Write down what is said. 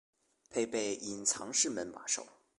配备隐藏式门把手